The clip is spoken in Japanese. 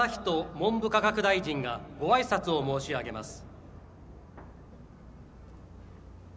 文部科学大臣がごあいさつを申し上げます。